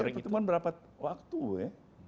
ada pertemuan berapa waktu ya